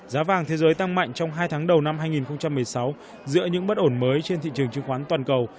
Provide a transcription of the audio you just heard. giá vàng thế giới tăng mạnh trong hai tháng đầu năm hai nghìn một mươi sáu giữa những bất ổn mới trên thị trường chứng khoán toàn cầu